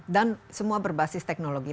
dan semua berbasis teknologi